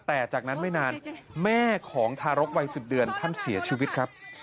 แต่จากนั้นไม่นานแม่ของทารกวัย๑๐เดือนท่านเสียชีวิตครับ